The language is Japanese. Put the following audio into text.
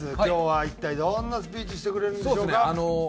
今日は一体どんなスピーチしてくれるんでしょうか？